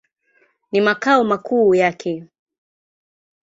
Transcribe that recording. Ni makao makuu yake.